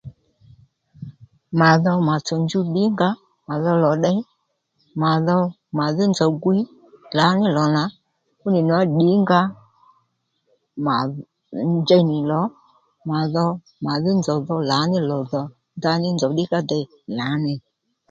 Mà dho mà tsò njuw ddǐnga mà dho lò ddey mà dho mà dhí nzòw gwiy lǎní lò nà fúnì nwǎŋú ddǐnga mà njey nì lò mà dho màdhí nzow dho lǎní lò dhò ndaní nzòw ddí ka dey lǎní